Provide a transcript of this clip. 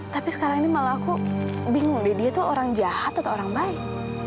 tapi sekarang ini malah aku bingung deh dia tuh orang jahat atau orang baik